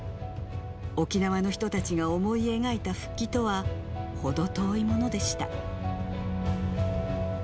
沖縄の人たちが思い描いた復帰とは、程遠いものでした。